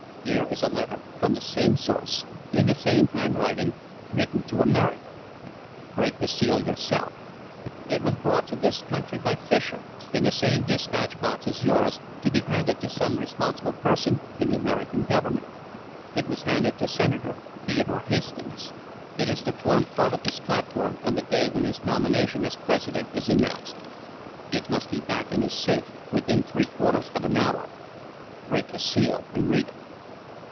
Here is a letter from the same source, in the same handwriting, written to America. Break the seal yourself. It was brought to this country by Fischer, in the same dispatch box as yours, to be handed to some responsible person in the American Government. It was handed to Senator Theodore Hastings. It is to form part of his platform on the day when his nomination as President is announced. It must be back in his safe within three quarters of an hour. Break the seal and read it."